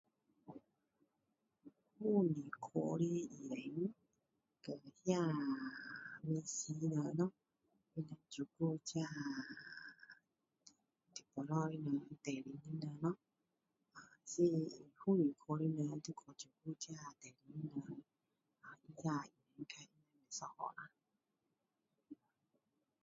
妇女科的医生和那护士们咯，他们照顾这大肚子的人，怀孕的人咯。这妇女科的人，会照顾怀孕的人，是应该会不一样啦。